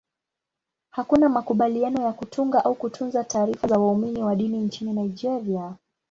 Hakuna makubaliano ya kutunga au kutunza taarifa za waumini wa dini nchini Nigeria.